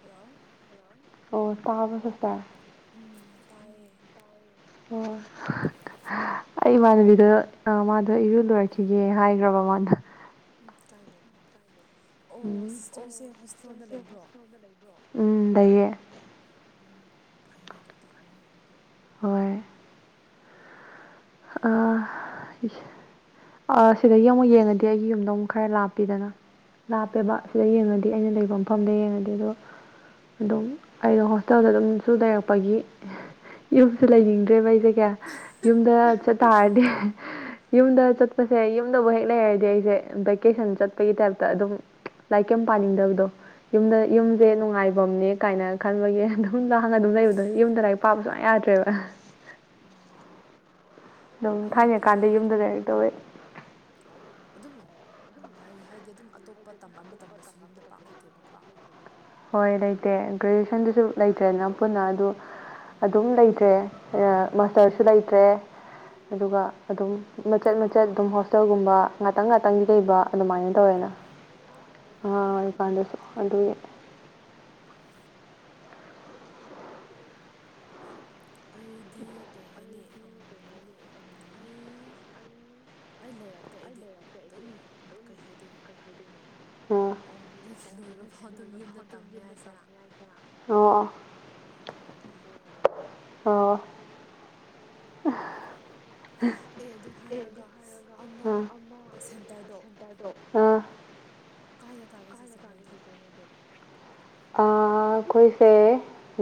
hello ꯄꯥꯕ ꯈꯛꯇ ꯎꯨꯝ ꯇꯥꯏꯌꯦ ꯑꯣ ꯏꯃꯒꯤ ꯑ ꯃꯥꯗꯣ ꯏꯔꯨ ꯂꯣꯏꯔꯈꯤꯒꯦ ꯍꯥꯏꯈ꯭ꯔꯕ ꯃꯥꯅ ꯎꯝ ꯀꯥꯏꯗꯦ ꯀꯥꯏꯗꯦ ꯎꯝ ꯂꯩꯌꯦ ꯑꯣ ꯐꯩꯅꯦ ꯑꯗꯨꯗꯤ ꯍꯣꯏ ꯑ ꯑ ꯁꯤꯗꯒꯤ ꯑꯃꯨꯛ ꯌꯦꯡꯉꯗꯤ ꯑꯩꯒꯤ ꯌꯨꯝꯗ ꯑꯃꯨꯛ ꯈꯔ ꯂꯥꯞꯄ ꯄꯤꯗꯅ ꯂꯥꯞꯄꯦꯕ ꯁꯤꯗ ꯌꯦꯡꯉꯗꯤ ꯑꯩꯅ ꯂꯩꯕ ꯃꯐꯝꯗ ꯌꯦꯡꯉꯗꯤ ꯑꯗꯣ ꯑꯗꯨꯝ ꯑꯩꯅ ꯍꯣꯁꯇꯦꯜꯗ ꯑꯗꯨꯝꯁꯨ ꯂꯩꯔꯛꯄ ꯒꯤ ꯌꯨꯝꯁꯨ ꯂꯩꯅꯤꯡꯗ꯭ꯔꯦꯕ ꯑꯩꯁꯦ ꯀ ꯌꯨꯝꯗ ꯇꯥꯔꯗꯤ ꯌꯨꯝꯗ ꯆꯠꯄꯁꯦ ꯌꯨꯝꯗꯕꯨ ꯍꯦꯛ ꯂꯩꯔꯗꯤ ꯑꯩꯁꯦ ꯚꯦꯀꯦꯁꯟ ꯆꯠꯄꯒꯤ ꯇꯥꯏꯞꯇ ꯑꯗꯨꯝ ꯂꯥꯏꯔꯤꯛ ꯀꯩꯝ ꯄꯥꯅꯤꯡꯗꯕꯗꯣ ꯌꯨꯝꯗ ꯌꯨꯝꯁꯦ ꯅꯨꯡꯉꯥꯏꯐꯝꯅꯦ ꯀꯥꯏꯅ ꯈꯟꯕꯒꯤ ꯑꯗꯨꯝ ꯂꯍꯝ ꯌꯨꯝꯗ ꯂꯥꯏꯔꯤꯛ ꯄꯥꯕꯁꯨꯃ ꯌꯥꯗ꯭ꯔꯦꯕ ꯑꯗꯨꯝ ꯊꯥꯏꯅꯀꯥꯟꯗ ꯌꯨꯝꯗ ꯀꯩꯅ ꯇꯧꯋꯦ ꯑꯣ ꯑꯣ ꯑꯗꯨꯝ ꯎꯝ ꯍꯥꯏ ꯍꯥꯏꯗꯤ ꯑꯗꯨꯝ ꯑꯇꯣꯞꯄ ꯇꯝꯕ ꯃꯇꯝꯗꯁꯨ ꯌꯨꯝꯗ ꯄꯥꯛ ꯂꯩꯇꯦꯕꯀꯣ ꯍꯣꯏ ꯂꯩꯇꯦ ꯒ꯭ꯔꯦꯖꯨꯋꯦꯁꯟꯗꯨꯁꯨ ꯂꯩꯇ꯭ꯔꯦꯅ ꯄꯨꯟꯅ ꯑꯗꯨ ꯑꯗꯨꯝ ꯂꯩꯇ꯭ꯔꯦ ꯃꯥꯁꯇꯔꯁꯨ ꯂꯩꯇ꯭ꯔꯦ ꯂꯩꯈ꯭ꯔꯦ ꯑꯗꯨꯒ ꯑꯗꯨꯝ ꯃꯆꯦꯠ ꯃꯆꯦꯠ ꯑꯗꯨꯝ ꯍꯣꯁꯇꯦꯜꯒꯨꯝꯕ ꯉꯥꯛꯇꯪ ꯉꯥꯛꯇꯪꯗꯤ ꯂꯩꯕ ꯑꯗꯨꯃꯥꯏꯅ ꯇꯧꯋꯦꯅ ꯑꯣ ꯑ ꯄꯥꯟꯗꯁꯨꯣ ꯑꯗꯨꯗꯦ ꯑꯩꯗꯤ ꯀꯩ ꯍꯥꯏꯅꯤ ꯑꯩ ꯑꯩ ꯂꯩꯔꯛꯇꯦ ꯑꯩꯗꯤ ꯑꯗꯨꯝ ꯀꯩ ꯍꯥꯏꯗꯣꯏꯅꯣ ꯂ ꯑꯣꯏꯕ ꯑꯣ ꯇ ꯑꯣꯏꯕꯅꯤꯅ ꯑꯣ ꯑꯦ ꯑꯗꯨ ꯍꯥꯏꯔꯒ ꯑꯃ ꯁꯦꯟꯇꯔꯗꯣ ꯀꯥꯏꯗ ꯇꯥꯒꯦ ꯁꯤꯁꯇꯔ ꯅꯣꯏꯗꯤ ꯑꯩꯈꯣꯏꯁꯦ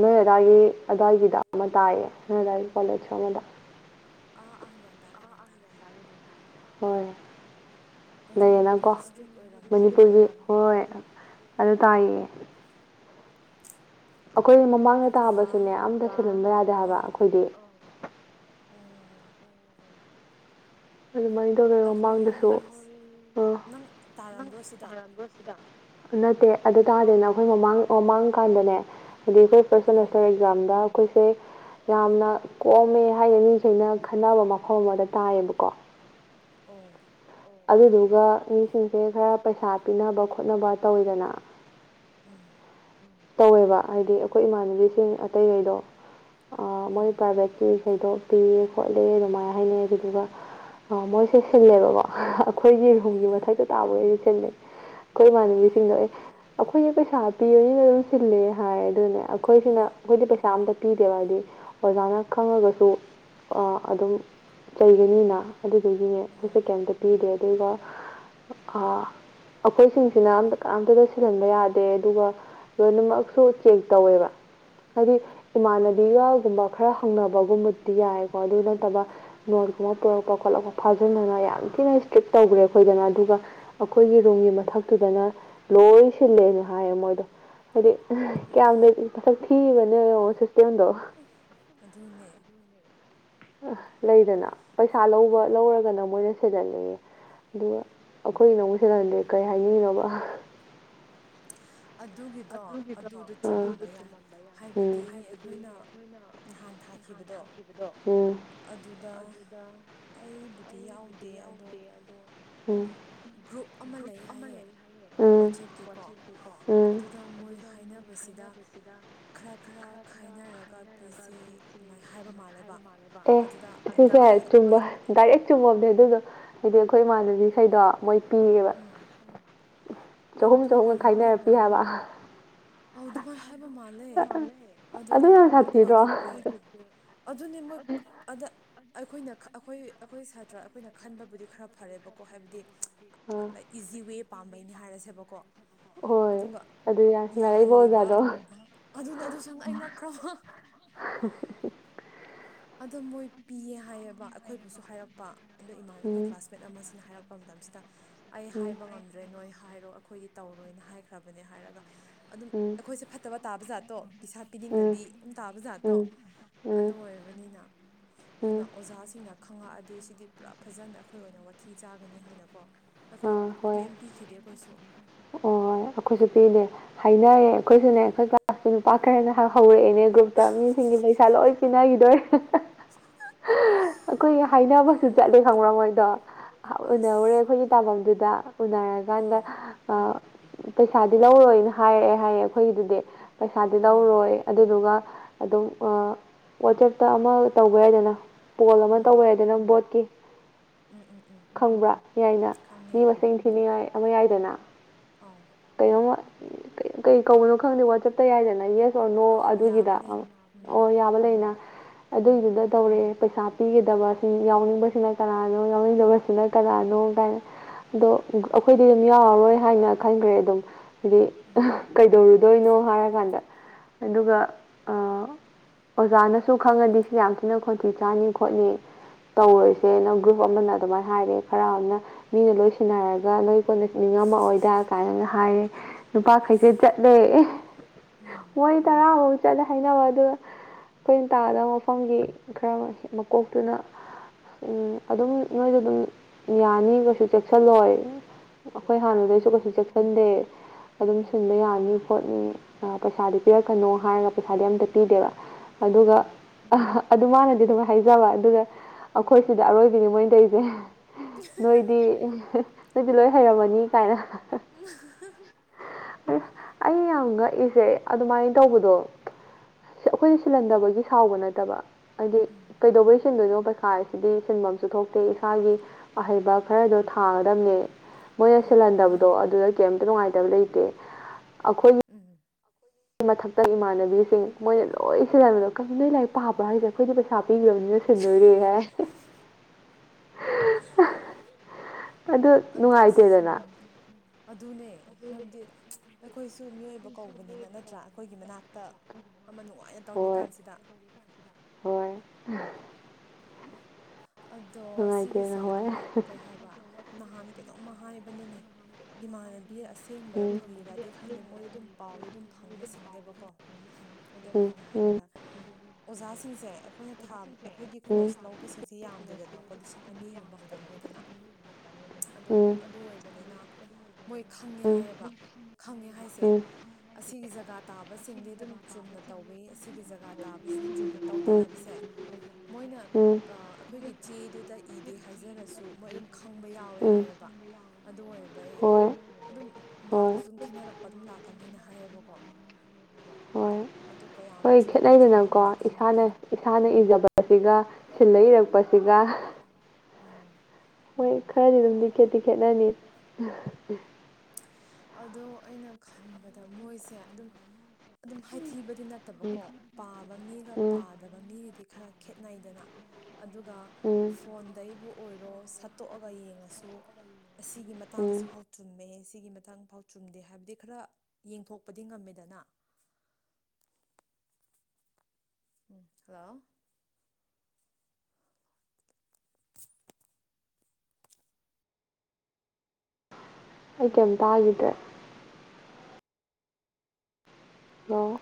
ꯅꯣꯏ ꯑꯗꯥꯏꯒꯤ ꯑꯗꯥꯏꯒꯤꯗ ꯑꯃ ꯇꯥꯏꯌꯦ ꯑꯗꯨꯗꯥ ꯀꯣꯂꯦꯖ ꯑꯃꯗ ꯑꯥ ꯑꯥ ꯌꯥꯒꯌꯥꯗꯥꯔꯦꯒꯌꯥꯗꯥꯔꯦ ꯍꯣꯏ ꯑꯗꯣ ꯃꯣꯏꯗꯤ ꯏꯁꯇ꯭ꯔꯤꯛ ꯃꯅꯤꯄꯨꯔꯒꯤ ꯍꯣꯏ ꯑꯗꯨ ꯇꯥꯏꯌꯦꯌꯦ ꯑꯩꯈꯣꯏ ꯃꯃꯥꯡꯗ ꯇꯥꯕꯁꯨꯅꯦ ꯑꯝꯇ ꯁꯤꯜꯂꯝꯕ ꯌꯥꯗꯦ ꯍꯥꯏꯕ ꯑꯩꯈꯣꯏꯗꯤ ꯑꯗꯨꯃꯥꯏꯅ ꯇꯧꯔꯦ ꯃꯃꯥꯡꯗꯁꯨ ꯑ ꯅꯣ ꯁꯤꯗ ꯅꯠꯇꯦ ꯑꯗꯨꯇꯥꯥꯔꯗꯅ ꯑꯩꯈꯣꯏ ꯃꯃꯥꯡ ꯃꯃꯥꯡ ꯀꯥꯟꯗꯅꯦ ꯍꯥꯏꯗꯤ ꯑꯩꯈꯣꯏ ꯐꯥꯔꯁ ꯁꯦꯃꯦꯁꯇꯔ ꯑꯦꯛꯖꯥꯝꯗ ꯑꯩꯈꯣꯏꯁꯦ ꯌꯥꯝꯅ ꯀꯣꯝꯃꯦ ꯍꯥꯏꯅ ꯃꯤꯈꯩꯅ ꯈꯟꯅꯕ ꯃꯐꯝ ꯑꯃꯗ ꯇꯥꯏꯌꯦꯕꯀꯣ ꯑꯣ ꯑꯗꯨꯗꯨꯒ ꯃꯤꯁꯤꯡꯁꯦ ꯈꯔ ꯄꯩꯁꯥ ꯄꯤꯅꯕ ꯈꯣꯠꯅꯕ ꯇꯧꯋꯤꯗꯅ ꯎꯝ ꯇꯧꯋꯦꯕ ꯍꯥꯏꯗꯤ ꯑꯩꯈꯣꯏ ꯏꯃꯥꯟꯅꯕꯤꯁꯤꯡ ꯑꯇꯩꯒꯩꯗꯣ ꯃꯣꯏ ꯄ꯭ꯔꯥꯏꯚꯦꯠꯀꯤ ꯈꯩꯗꯣ ꯄꯤꯌꯦ ꯈꯣꯠꯂꯦ ꯑꯗꯨꯃꯥꯏꯅ ꯍꯥꯏꯅꯩ ꯑꯗꯨꯗꯨꯒ ꯑ ꯃꯣꯏꯁꯦ ꯁꯤꯜꯂꯦꯕꯀꯣ ꯑꯩꯈꯣꯏ ꯌꯦꯍꯨꯝꯒꯤ ꯃꯊꯛꯇ ꯇꯥꯕꯩꯁꯨ ꯁꯤꯜꯂꯩ ꯑꯩꯈꯣꯏ ꯏꯃꯥꯟꯅꯕꯤꯁꯤꯡꯗꯣ ꯑꯦ ꯑꯩꯈꯣꯏꯁ ꯄꯩꯁꯥ ꯄꯤꯕꯅꯤꯅ ꯑꯗꯨꯝ ꯁꯤꯜꯂꯦ ꯍꯥꯏ ꯑꯗꯨꯅꯦ ꯑꯩꯈꯣꯏꯁꯤꯅ ꯑꯩꯈꯣꯏꯗꯤ ꯄꯩꯁꯥ ꯑꯝꯇ ꯄꯤꯗꯦꯕ ꯍꯥꯏꯗꯤ ꯑꯣꯖꯥꯅ ꯈꯪꯉꯒꯁꯨ ꯑꯗꯨꯝ ꯆꯩꯒꯅꯤꯅ ꯑꯗꯨꯒꯤꯅꯦ ꯑꯩꯈꯣꯏꯁꯦ ꯀꯦꯝꯇ ꯄꯤꯗꯦ ꯑꯗꯨꯒ ꯑ ꯑꯩꯈꯣꯏꯁꯤꯡꯁꯤꯅ ꯑꯝꯇ ꯑꯝꯇꯗ ꯁꯤꯜꯍꯟꯕ ꯌꯥꯗꯦ ꯑꯗꯨꯒ ꯂꯣꯏꯅꯃꯛꯁꯨ ꯆꯦꯛ ꯇꯧꯋꯦꯕ ꯍꯥꯏꯗꯤ ꯏꯃꯥꯟꯅꯕꯤꯒꯒꯨꯝꯕ ꯈꯔ ꯍꯪꯅꯕꯒꯨꯝꯕꯗ ꯤ ꯌꯥꯏꯀꯣ ꯑꯗꯨ ꯅꯠꯇꯕ ꯅꯣꯠꯀꯨꯝꯕ ꯄꯨꯔꯛꯄ ꯈꯣꯠꯂꯛꯄ ꯐꯥꯖꯤꯟꯅꯒ ꯌꯥꯝ ꯊꯤꯅ ꯏꯁꯇ꯭ꯔꯤꯛꯛꯇ ꯇ ꯇꯧꯈ꯭ꯔꯦ ꯑꯩꯈꯣꯏꯗꯅ ꯑꯗꯨꯒ ꯑꯩꯈꯣꯏꯒꯤ ꯔꯨꯝꯒꯤ ꯃꯊꯛꯇꯨꯗꯅ ꯂꯣꯏ ꯁꯤꯜꯂꯦꯅ ꯍꯥꯏꯌꯦ ꯃꯣꯏꯗꯣ ꯍꯥꯏꯗꯤ ꯀꯌꯥꯗ ꯄꯁꯛ ꯊꯤꯕꯅꯦ ꯁꯁꯇꯦꯝꯗꯣ ꯙꯣꯅꯦ ꯑ ꯂꯩꯗꯅ ꯄꯩꯁꯥ ꯂꯧꯕ ꯂꯧꯔꯒꯅ ꯃꯣꯏꯅ ꯁꯦꯖꯤꯅꯤꯡꯉꯦ ꯑꯗꯨꯒ ꯑꯩꯈꯣꯏ ꯏꯅꯉꯁꯤꯗꯗꯤ ꯀꯔꯤ ꯍꯥꯏꯅꯤꯡꯉꯤꯅꯣꯕ ꯑꯣ ꯑꯗꯨꯗꯣ ꯆꯨꯝꯃꯝꯕ ꯌꯥꯏ ꯍꯥꯏꯕꯗꯤ ꯑꯩꯈꯣꯏꯅ ꯅꯍꯥꯟ ꯊꯥꯈꯤꯕꯗꯣ ꯑꯗꯨꯗ ꯑꯩꯕꯨꯗꯤ ꯗꯦ ꯑꯗꯣ ꯑꯃ ꯒ꯭ꯔꯨꯞ ꯜ ꯂꯩ ꯎꯝ ꯋꯥꯆꯦꯞꯀꯤꯀꯣ ꯑꯗꯨꯗ ꯃꯣꯏ ꯍꯥꯏꯅꯕꯁꯤꯗ ꯈꯔ ꯈꯔ ꯈꯥꯏ ꯄꯅꯔꯒ ꯄꯤꯁꯦ ꯑꯗꯨꯃꯥꯏꯅ ꯍꯥꯏꯕ ꯃꯥꯜꯂꯦꯕ ꯑꯗꯨꯗ ꯑꯩꯈꯣꯏ ꯗꯦ ꯑꯗꯨꯗꯣ ꯍꯥꯏꯗꯤ ꯑꯩꯈꯣꯏ ꯏꯃꯥꯅꯕꯤꯈꯩꯗꯣ ꯃꯣꯏ ꯄꯤꯌꯦꯦꯕ ꯆꯍꯨꯝ ꯆꯍꯨꯝꯒ ꯈꯥꯏꯅꯔꯛꯄꯤ ꯍꯥꯏꯕ ꯑꯧ ꯑꯗꯨꯃꯥꯏꯅ ꯍꯥꯏꯕ ꯃꯥꯜꯂꯦ ꯑꯗꯨꯗ ꯑꯩꯈꯣꯏꯒꯤ ꯕꯦ ꯑꯗꯨ ꯑꯗꯨꯅꯤꯃ ꯑꯗ ꯑꯩꯈꯣꯏꯅ ꯑꯩꯈꯣꯏ ꯑꯩꯈꯣꯏ ꯁꯥꯇ꯭ꯔ ꯑꯩꯈꯣꯏꯅ ꯈꯟꯕꯕꯨꯗꯤ ꯈꯔ ꯐꯔꯦꯕꯀꯣ ꯍꯥꯏꯕꯗꯤ ꯂꯥꯏꯛ ꯏꯖꯤ ꯋꯦ ꯄꯥꯝꯕꯩꯅꯤ ꯍꯥꯏꯔꯁꯦꯕꯀꯣ ꯍꯣꯏ ꯑꯗꯨ ꯌꯥꯏ ꯌꯥꯍꯜꯂꯤꯕ ꯑꯗꯨꯅ ꯑꯗꯨ ꯁꯪ ꯑꯩ ꯉꯛꯈ꯭ꯔꯣ ꯑꯗꯣ ꯃꯣꯏ ꯄꯤꯌꯦ ꯍꯥꯏꯌꯦꯕ ꯑꯩꯈꯣꯏꯕꯨꯁꯨ ꯍꯥꯏꯔꯛꯄ ꯑꯗꯣ ꯏꯃꯥꯟ ꯑꯩꯈꯣꯏ ꯀ꯭ꯂꯥꯁꯃꯦꯠ ꯑꯃꯁꯤꯅ ꯍꯥꯏꯔꯛꯄ ꯃꯇꯝꯁꯤꯗ ꯑꯩ ꯍꯥꯏꯕ ꯉꯝꯗ꯭ꯔꯦ ꯅꯣꯏ ꯍꯥꯏꯔꯣ ꯑꯩꯈꯣꯏꯗꯤ ꯇꯧꯔꯣꯏꯅ ꯍꯥꯏꯈ꯭ꯔꯕꯅꯦ ꯍꯥꯏꯔꯒ ꯑꯗꯨꯝ ꯑꯩꯈꯣꯏꯁꯦ ꯐꯠꯇꯕ ꯇꯥꯕ ꯖꯥꯠꯇꯣ ꯄꯩꯤꯁꯥ ꯄꯤꯅꯤꯡꯗꯕꯤ ꯑꯝ ꯇꯥꯕ ꯖꯥꯠꯇꯣ ꯑꯗꯨ ꯑꯣꯏꯔꯣ ꯕꯅꯤꯅ ꯑꯗꯨꯅ ꯑꯣꯖꯥꯁꯤꯡꯅ ꯈꯪꯉꯛꯑ ꯗꯗꯤ ꯁꯤꯗꯤ ꯄꯨꯔꯥ ꯐꯖꯅ ꯑꯩꯈꯣꯏ ꯑꯣꯏꯅ ꯋꯥꯊꯤ ꯆꯥꯒꯅꯤ ꯍꯥꯏꯅꯀꯣ ꯑꯩꯈꯣꯏ ꯀꯦꯝꯝ ꯄꯤꯈꯤꯗꯦ ꯑꯩꯈꯣꯏꯁꯨ ꯑꯣ ꯑꯩꯈꯣꯏꯁꯨ ꯄꯤꯗꯦ ꯍꯥꯏꯅꯔꯦ ꯑꯩꯈꯣꯏꯁꯨꯅꯦ ꯑꯩꯈꯣꯏ ꯀ꯭ꯂꯥꯁꯇ ꯅꯨꯄꯥ ꯈꯔꯅ ꯍꯧꯔꯛꯑꯦꯅꯦ ꯒ꯭ꯔꯨꯞꯇ ꯃꯤꯁꯦ ꯁꯤꯡꯒꯤ ꯄꯩꯁꯥ ꯂꯣꯏ ꯁꯤꯤꯟꯅꯈꯤꯗꯣꯏ [inaudible] ꯀꯈꯣꯏ ꯍꯥꯏꯅꯕꯁꯨ ꯆꯠꯂꯦ ꯈꯪꯕꯣꯉꯣꯏꯗꯣ ꯎꯅꯍꯧꯔꯦ ꯑꯩꯈꯣꯏꯒꯤ ꯇꯥꯐꯝꯗꯨꯗ ꯎꯅꯔꯀꯥꯟꯗ ꯄꯩꯁꯥꯗꯤ ꯂꯧꯔꯣꯏꯅ ꯍꯥꯏꯔꯛꯑꯦ ꯍꯥꯏꯌꯦ ꯑꯩꯈꯣꯏꯒꯤꯗꯨꯗꯤ ꯄꯩꯁꯥꯗꯤ ꯂꯧꯔꯣꯏ ꯑꯗꯨꯗꯨꯒ ꯑꯗꯨꯝ ꯋꯥꯆꯦꯞꯇ ꯑꯃ ꯇꯧꯕ ꯌꯥꯏꯗꯅ ꯄꯣꯜ ꯑꯃ ꯇꯧꯕ ꯍꯥꯏꯗꯅ ꯕꯣꯠꯀꯤ ꯈꯪꯕ꯭ꯔꯥ ꯌꯥꯏꯅ ꯃꯤ ꯃꯁꯤꯡ ꯊꯤꯅꯤꯡꯉꯥꯏ ꯑꯃ ꯌꯥꯏꯗꯅ ꯀꯩꯅꯣꯃ ꯀ ꯀꯩ ꯀꯧꯕꯅꯣ ꯈꯪꯗꯦ ꯋꯥꯆꯞꯇ ꯌꯥꯏꯗꯅ ꯌꯦꯁ ꯑꯣꯔ ꯅꯣ ꯑꯗꯨꯒꯤꯗ ꯑꯣ ꯌꯥꯕ ꯂꯩꯅ ꯑꯗꯨꯏꯗꯨꯗ ꯇꯧꯔꯑꯦ ꯄꯩꯁꯥ ꯄꯤꯒꯗꯕ ꯌꯥꯎꯅꯤꯡꯕꯁꯤꯅ ꯀꯅꯥꯅꯣ ꯌꯥꯎꯅꯤꯡꯗꯕꯁꯤꯅ ꯀꯅꯥꯅꯣꯥꯏꯅ ꯑꯗꯣ ꯑꯩꯈꯣꯏꯗꯤ ꯑꯗꯨꯝ ꯌꯥꯎꯔꯔꯣꯏ ꯍꯥꯏꯅ ꯈꯟꯈ꯭ꯔꯦ ꯑ ꯑꯗꯨꯝ ꯍꯥꯏꯗꯤ ꯀꯩꯗꯧꯔꯨꯗꯣꯏꯅꯣ ꯍꯥꯏꯔꯀꯥꯟꯗ ꯑꯗꯨꯒ ꯑꯣꯖꯥꯅꯁꯨ ꯈꯪꯉꯗꯤ ꯁꯤ ꯌꯥꯝ ꯊꯤꯅ ꯈꯣꯟꯇꯤ ꯆꯥꯅꯤ ꯈꯣꯠꯅꯤ ꯇꯧꯔꯁꯦꯅ ꯒ꯭ꯔꯨꯞ ꯑꯃꯅ ꯑꯗꯨꯃꯥꯏꯅ ꯍꯥꯏꯔꯦ ꯈꯔ ꯑꯃꯅ ꯃꯤꯅ ꯂꯣꯏ ꯁꯤꯟꯅꯔꯒ ꯅꯣꯏ ꯀꯣꯟꯅ ꯉꯝꯃꯑꯣꯗ ꯀꯥꯏꯅꯅ ꯍꯥꯏꯔꯦ ꯅꯨꯄꯥꯈꯩꯁꯦ ꯆꯠꯂꯦ ꯑꯦ ꯃꯣꯏ ꯇꯔꯥꯃꯨꯛ ꯆꯠꯂꯦ ꯍꯥꯏꯅꯕ ꯑꯗꯨꯒ ꯀꯩꯅ ꯃꯐꯝꯒꯤ ꯈꯔ ꯃꯀꯣꯛꯇꯨꯅ ꯎꯝ ꯑꯗꯨꯝ ꯅꯣꯏꯁꯨ ꯑꯗꯨꯝ ꯌꯥꯅꯤ ꯅꯣꯏꯁꯨ ꯆꯦꯛꯁꯜꯂꯣꯏ ꯑꯩꯈꯣꯏ ꯍꯥꯟꯅꯗꯩꯁꯨ ꯀꯩꯁꯨ ꯆꯦꯛꯁꯤꯟꯗꯦ ꯑꯗꯨꯝ ꯁꯤꯟꯕ ꯌꯥꯅꯤ ꯈꯣꯠꯅꯤ ꯄꯩꯁꯥꯗꯤ ꯄꯤꯔꯛꯀꯅꯣ ꯍꯥꯏꯔꯒ ꯄꯩꯁꯥꯗꯤ ꯑꯝꯇ ꯄꯤꯗꯦꯕ ꯑ ꯑꯗꯨ ꯃꯥꯅꯗꯤ ꯑꯗꯨꯝ ꯍꯥꯏꯖꯕ ꯑꯗꯨꯒ ꯑꯩꯈꯣꯏ ꯁꯤꯗ ꯑꯔꯣꯏꯕꯤꯅꯤ ꯃꯣꯏ ꯇꯧꯔꯤꯁꯦ ꯅꯣꯏꯗꯤ ꯅꯣꯏꯗꯤ ꯂꯣꯏ ꯍꯩꯔꯝꯃꯅꯤ ꯀꯥꯏꯅ ꯑꯩ ꯌꯥꯝ ꯉꯛꯏꯁꯦ ꯑꯗꯨꯃꯥꯏꯅ ꯇꯧꯕꯗꯣ ꯑꯩꯈꯣꯏꯗꯤ ꯁꯤꯜꯍꯟꯗꯕꯒꯤ ꯁꯥꯎꯕ ꯅꯠꯇꯕ ꯍꯥꯏꯗꯤ ꯀꯩꯗꯧꯕꯩ ꯁꯤꯟꯗꯣꯏꯅꯣ ꯄꯩꯈꯥꯁꯤꯗꯤ ꯁꯤꯟꯐꯝꯁꯨ ꯊꯣꯛꯇꯦ ꯏꯁꯥꯒꯤ ꯑꯍꯩꯕ ꯈꯔꯗꯣ ꯊꯥꯒꯗꯝꯅꯦ ꯃꯣꯏꯅ ꯁꯤꯜꯍꯟꯗꯕꯗꯣ ꯑꯗꯨꯗ ꯀꯔꯤꯝꯇ ꯅꯨꯡꯉꯥꯏꯇꯕ ꯂꯩꯇꯦ ꯑꯩꯈꯣꯏꯒꯤ ꯃꯊꯛ ꯇ ꯏꯃꯥꯟꯅꯕꯤꯁꯤꯡ ꯃꯣꯏꯅ ꯂꯣꯏ ꯁꯤꯜꯍꯟꯕꯗꯣ ꯀꯩꯅꯣ ꯅꯣꯏ ꯂꯥꯏꯔꯤꯛ ꯄꯥꯕ꯭ꯔꯥ ꯍꯥꯏꯁꯦ ꯑꯩꯈꯣꯏꯗꯤ ꯄꯩꯁꯥ ꯄꯤꯈ꯭ꯔꯕꯅꯤꯅ ꯁꯤꯟꯗꯧꯔꯦ [unintelligible] [unintelligible] ꯑꯗꯨ ꯅꯨꯡꯉꯥꯏꯇꯦꯗꯅ ꯑꯗꯨꯅꯦ ꯍꯥꯏꯕꯗꯤ ꯑꯩꯈꯣꯏꯁꯨ ꯃꯤꯑꯣꯏꯕ ꯀꯧꯕꯅꯤꯅ ꯅꯠꯇ꯭ꯔꯥ ꯑꯩꯈꯣꯏꯒꯤ ꯃꯅꯥꯛꯇ ꯑꯃ ꯅꯨꯡꯉꯥꯏꯅ ꯇꯧꯔꯤ ꯀꯥꯟꯁꯤꯗ [unintelligible] ꯑꯗꯣ ꯁꯤꯒꯤꯁꯦ ꯑꯃ ꯀꯩ ꯍꯥꯏꯕ ꯅꯍꯥꯟ ꯀꯩꯅꯣꯝꯃ ꯍꯥꯏꯕꯅꯤꯅꯦ ꯏꯃꯥꯟꯅꯕꯤ ꯕꯤ ꯑꯁꯦꯡꯕꯔꯥ ꯐꯒꯤꯔꯗꯤ ꯈꯪꯗꯦ ꯃꯣꯏꯗꯤ ꯑꯗꯨꯝ ꯄꯥꯎꯗꯤ ꯑꯗꯨꯝ ꯐꯪꯕꯁꯤꯡꯅꯦꯕꯀꯣ ꯑꯗꯨꯗ ꯃꯣꯏꯅ ꯍꯥꯏꯕꯗ ꯑꯣꯖꯥꯁꯤꯡꯁꯦ ꯑꯩꯈꯣꯏꯅ ꯊꯥ ꯑꯩꯈꯣꯏꯒꯤ ꯀꯣꯔꯁ ꯂꯧꯕꯁꯤꯡꯁꯦ ꯗꯅꯀꯣ ꯂꯤꯁꯤꯡ ꯑꯅꯤꯒꯨꯝꯕ ꯈꯛꯇꯪ ꯂꯩꯗꯅ ꯑꯗꯨ ꯑꯗꯨ ꯑꯣꯏꯕꯅꯤꯅ ꯃꯣꯏ ꯈꯪꯉꯦ ꯍꯥꯏꯌꯦꯕ ꯈꯪꯉꯦ ꯍꯥꯏꯁꯦ ꯑꯁꯤꯒꯤ ꯖꯒꯥ ꯇꯥꯕꯁꯤꯡꯗꯤ ꯑꯗꯨꯝ ꯆꯨꯝꯅ ꯇꯧꯋꯤ ꯑꯁꯤꯒꯤ ꯖꯒꯥ ꯇꯥꯕꯁꯤꯗꯤ ꯆꯨꯝꯅ ꯇꯧꯗꯦ ꯍꯥꯏꯕꯁꯦ ꯃꯣꯏꯅ ꯑꯩꯈꯣꯏꯒꯤ ꯆꯦꯗꯨꯗ ꯏꯗꯦ ꯍꯥꯏꯖꯔꯁꯨ ꯃꯣꯏ ꯑꯗꯨꯝ ꯈꯪꯕ ꯌꯥꯎꯋꯦ ꯍꯥꯏꯌꯦꯕ ꯑꯗꯨ ꯑꯣꯏꯕꯩ ꯑꯗꯨꯝ ꯃꯥꯔꯀ ꯁꯨꯝ ꯈꯦꯠꯅꯔꯛꯄ ꯑꯗꯨꯝ ꯂꯥꯛꯀꯅꯤꯅ ꯍꯥꯏꯌꯦꯕꯀꯣ ꯍꯣꯏ ꯈꯦꯠꯅꯩꯗꯅꯀꯣ ꯏꯁꯥꯅ ꯏꯁꯥꯅ ꯏꯖꯕꯁꯤꯒ ꯁꯤꯜꯂ ꯏꯔꯛꯄꯁꯤꯒ ꯍꯣꯏ ꯈꯔꯗꯤ ꯑꯗꯨꯝꯗꯤ ꯈꯦꯠꯇꯤ ꯈꯦꯠꯅꯅꯤ ꯑꯗꯣ ꯑꯩꯅ ꯈꯟꯕꯗ ꯃꯣꯏꯁꯦ ꯑꯗꯨꯝ ꯑꯗꯨꯝ ꯍꯥꯏꯊꯤꯕ ꯑꯗꯨꯗꯤ ꯅꯠꯇꯕꯀꯣ ꯄꯥꯕ ꯃꯤꯒ ꯄꯥꯗꯕ ꯃꯤꯒꯗꯤ ꯈꯔ ꯈꯦꯠꯅꯩꯗꯅ ꯑꯗꯨꯒ ꯐꯣꯟꯗꯕꯨ ꯑꯣꯏꯔꯣ ꯁꯠꯇꯣꯛꯑꯒ ꯌꯦꯡꯉꯁꯨ ꯑꯁꯤꯒꯤ ꯃꯇꯥꯡꯁꯤꯐꯥꯎ ꯆꯨꯝꯃꯦ ꯑꯁꯤꯒꯤ ꯃꯇꯥꯡꯐꯥꯎ ꯆꯨꯝꯗꯦ ꯍꯥꯏꯕꯗꯤ ꯈꯔ ꯌꯦꯡꯊꯣꯛꯄꯗꯤ ꯉꯝꯃꯦꯗꯅ ꯍꯜꯂꯣ ꯑꯩ ꯀꯔꯤꯝ ꯇꯥꯈꯤꯗ꯭ꯔꯦ ꯍꯜꯂꯣ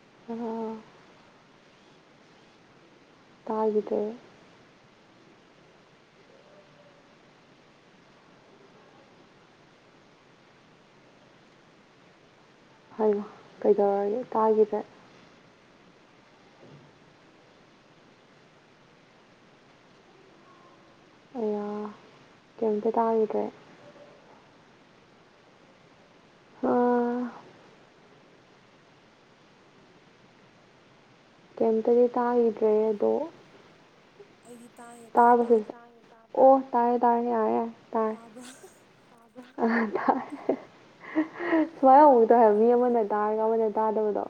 [unintelligible] ꯇꯥꯒꯤꯗꯔꯦ ꯍꯥꯏꯌꯣ ꯀꯩꯗꯧꯔꯒꯦ ꯇꯥꯒꯤꯗ꯭ꯔꯦ ꯀꯔꯤꯝꯇ ꯇꯥꯈꯤꯗ꯭ꯔꯦ ꯀꯔꯤꯝꯇꯗꯤ ꯇꯥꯈꯤꯗ꯭ꯔꯦ ꯑꯗꯣ ꯇꯥꯕꯁꯤ ꯑꯣ ꯇꯥꯔꯦ ꯇꯥꯔꯦ ꯌꯥꯔꯦ ꯇꯥꯕ꯭ꯔ ꯑꯥꯏ ꯁꯨꯃꯥꯏꯅ ꯍꯧꯕ ꯇꯧꯋꯦ ꯃꯤ ꯑꯃꯅ ꯇꯥꯔꯒ ꯑꯃꯅ ꯇꯥꯗꯕꯗꯣ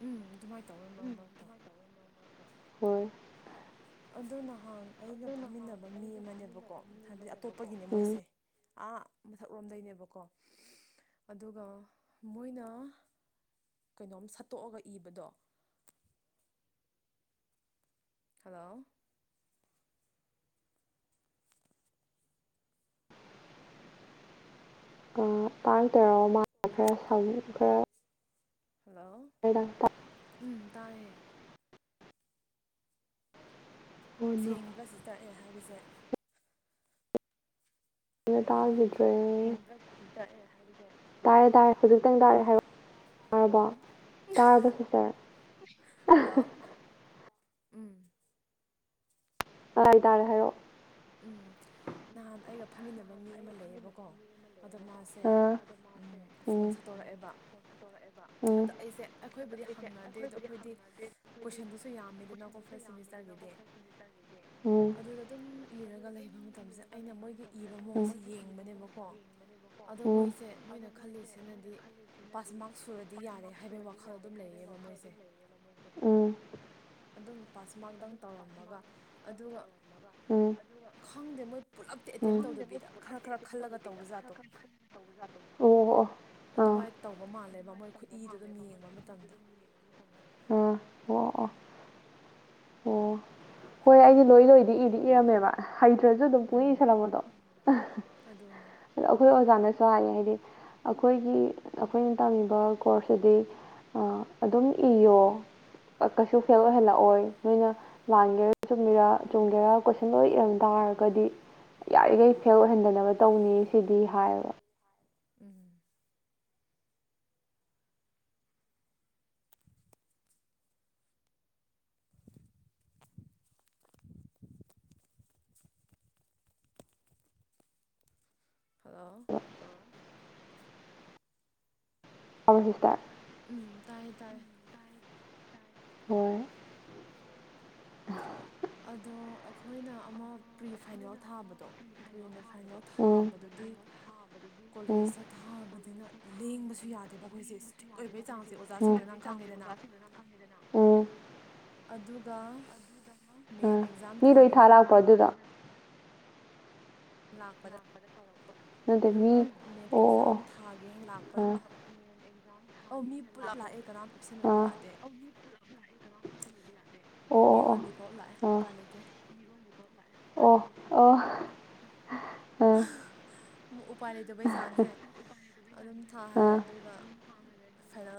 ꯎꯝ ꯑꯗꯨꯃꯥꯏ ꯎꯝ ꯍꯣꯏ ꯑꯗ ꯅꯍꯥꯟ ꯑꯩꯒ ꯐꯝꯃꯤꯟꯅꯕ ꯃꯤ ꯑꯃꯅꯦꯕꯀꯣ ꯍꯥꯏꯕꯗꯤ ꯑꯇꯣꯞꯄꯒꯤꯅꯦ ꯃꯣꯏꯁꯦ ꯑꯥ ꯃꯊꯛ ꯂꯣꯝꯗꯩꯅꯦꯕꯀꯣ ꯑꯗꯨꯒ ꯃꯣꯏꯅ ꯀꯩꯅꯣꯝ ꯁꯠꯇꯣꯛꯑꯒ ꯏꯕꯗꯣ ꯍꯜꯂꯣ ꯇꯥꯡ ꯇꯔꯥꯗ ꯃꯥ ꯈꯔ ꯁꯪꯅꯤ ꯈꯔ ꯍꯜꯂꯣ ꯎꯝ ꯇꯥꯏꯌꯦ ꯁꯦꯡꯕ꯭ꯔ ꯁꯤꯁꯇꯔ ꯑꯩꯅ ꯍꯥꯏꯕꯁꯦ ꯇꯥꯈꯤꯗ꯭ꯔꯦ ꯇꯥꯔꯦ ꯇꯥꯔꯦ ꯍꯧꯖꯤꯛꯇꯪ ꯇꯥꯔꯦ ꯍꯥꯏꯔꯛꯑꯣ ꯇꯥꯔꯕ ꯇꯥꯔꯕꯣ ꯁꯤꯁꯇꯔ ꯍꯜꯂꯣ ꯎꯝ ꯇꯥꯔꯦ ꯇꯥꯔꯦ ꯍꯥꯏꯔꯛꯑꯣ ꯎꯝ ꯅꯍꯥꯟ ꯑꯩꯒ ꯐꯝꯃꯤꯟꯅꯕ ꯃꯤ ꯑꯃ ꯂꯩꯌꯦꯕꯀꯣ ꯑꯗꯣ ꯃꯥꯁꯦ ꯐꯣꯟ ꯁꯠꯇꯣꯔꯛꯑꯦꯕ ꯑꯗꯣ ꯑꯩꯁꯦ ꯑꯩꯈꯣꯏꯕꯨꯗꯤ ꯍꯪꯅꯗꯦ ꯑꯗꯣ ꯑꯩꯈꯣꯏꯗꯤ ꯀꯣꯏꯁꯟꯗꯨꯁꯨ ꯌꯥꯝꯃꯤꯗꯅꯀꯣ ꯐꯥꯔꯁ ꯁꯦꯃꯤꯁꯇꯔꯒꯤꯗꯤ ꯑꯗꯨꯗ ꯑꯗꯨꯝ ꯏꯔꯒ ꯂꯩꯕ ꯃꯇꯝꯁꯤꯗ ꯑꯩꯅ ꯃꯣꯏꯒꯤ ꯏꯕ ꯃꯑꯣꯡꯁꯤ ꯌꯦꯡꯕꯅꯦꯕꯀꯣ ꯑꯗꯣ ꯃꯣꯏꯁꯦ ꯃꯣꯏꯅ ꯈꯜꯂꯤꯁꯤꯅꯗꯤ ꯄꯥꯁ ꯃꯥꯔꯛꯁ ꯁꯨꯔꯗꯤ ꯌꯥꯔꯦ ꯍꯥꯏ ꯍꯥꯏꯕꯩ ꯋꯥꯈꯜ ꯑꯗꯨꯝ ꯂꯩꯌꯦꯕ ꯃꯣꯏꯁꯦ ꯑꯗꯨꯝ ꯄꯥꯁ ꯃꯥꯔꯛꯇꯪ ꯇꯧꯔꯝꯃꯒ ꯑꯗꯨꯒ ꯈꯪꯗꯦ ꯃꯣꯏ ꯄꯨꯜꯂꯞꯇꯤ ꯑꯦꯇꯦꯝ ꯇꯧꯗꯕꯤꯗ ꯈꯔ ꯈꯔ ꯈꯜꯂꯒ ꯇꯧꯕꯖꯥꯠꯇꯣ ꯑꯗꯨꯃꯥꯏꯅ ꯇꯧꯕ ꯃꯥꯜꯂꯦꯕ ꯃꯣꯏ ꯈꯨꯠꯏꯗꯣ ꯑꯗꯨꯝ ꯌꯦꯡꯕ ꯃꯇꯝꯗ ꯍꯣꯏ ꯑꯩꯗꯤ ꯂꯣꯏ ꯂꯣꯏꯗꯤ ꯏꯗꯤ ꯏꯔꯝꯃꯦꯕ ꯍꯩꯇ꯭ꯔꯁꯨ ꯑꯗꯨꯝ ꯄꯨꯛꯅꯤꯡ ꯏꯁꯜꯂꯝꯕꯗꯣ ꯑꯩꯈꯣꯏ ꯑꯣꯖꯥꯅꯁꯨ ꯍꯥꯏꯌꯦ ꯍꯥꯏꯗꯤ ꯑꯩꯈꯣꯏꯒꯤ ꯑꯩꯈꯣꯏꯅ ꯇꯝꯃꯤꯕ ꯀꯣꯔꯁꯁꯤꯗꯤ ꯑꯗꯨꯝ ꯏꯌꯣ ꯀꯩꯁꯨ ꯐꯦꯜ ꯑꯣꯏꯍꯜꯂꯛꯑꯣꯏ ꯅꯣꯏꯅ ꯂꯥꯟꯒꯦꯔꯁꯨ ꯆꯨꯝꯒꯦꯔ ꯆꯨꯝꯒꯦꯔ ꯀꯣꯏꯁꯟ ꯂꯣꯏ ꯏꯔꯝ ꯇꯥꯔꯒꯗꯤ ꯌꯥꯔꯤꯈꯩ ꯐꯦꯜ ꯑꯣꯏꯍꯟꯗꯅꯕ ꯇꯧꯅꯤ ꯁꯤꯗꯤ ꯍꯥꯏꯔꯦ ꯍꯜꯂꯣ ꯇꯥꯕꯔꯣ ꯁꯤꯁꯇꯔ ꯇꯥꯏꯌꯦ ꯇꯥꯏꯌꯦ ꯍꯣꯏ ꯑꯗꯣ ꯑꯩꯈꯣꯏꯅ ꯑꯃ ꯄ꯭ꯔꯤ ꯐꯥꯏꯅꯦꯜ ꯊꯥꯕꯗꯣ ꯄꯔꯤ ꯐꯥꯏꯅꯦꯜ ꯊꯥꯕꯗꯨꯗꯤ ꯀꯣꯂꯦꯖꯇ ꯊꯥꯕꯅꯤꯅ ꯂꯦꯡꯕꯁꯨ ꯌꯥꯗꯦꯕ ꯑꯩꯈꯣꯏꯁꯦ ꯏꯁꯇ꯭ꯔꯤꯛ ꯑꯣꯏꯕꯒꯤ ꯆꯥꯡ ꯎꯝ ꯎꯝ ꯑꯗꯨꯒ ꯃꯦꯟ ꯑꯦꯛꯖꯥꯝ ꯊꯥꯒꯦꯅ ꯂꯥꯛꯄꯗ ꯑꯗꯨꯒꯥ ꯃꯦꯟ ꯑꯦꯛꯖꯥꯝ ꯊꯥꯒꯦ ꯍꯥꯏꯅ ꯂꯥꯛꯄ ꯑꯧ ꯃꯤ ꯄꯨꯂꯞ ꯂꯥꯛꯑꯦ ꯀꯅꯥꯝ ꯑꯦꯞꯁꯦꯟ ꯑꯣꯏꯕ ꯌꯥꯗꯦ ꯃꯤꯔꯣꯟꯕꯤꯐꯥꯎ ꯂꯥꯛꯑꯦ ꯎꯄꯥꯏ ꯂꯩꯇꯦ ꯑꯣ ꯑꯣ ꯑꯥ ꯎꯄꯥꯏ ꯂꯩꯇꯕꯩ ꯆꯥꯡꯁꯦ ꯑꯗꯨꯝ ꯊꯥꯍꯜꯂꯦ ꯑꯗꯨꯒ ꯈꯔꯥ